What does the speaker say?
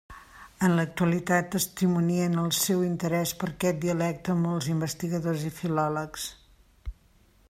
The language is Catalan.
En l'actualitat testimonien el seu interès per aquest dialecte molts investigadors i filòlegs.